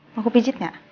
mau aku pijit gak